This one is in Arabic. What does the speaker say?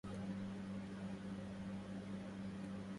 دنيا إذا أحسنت أساءت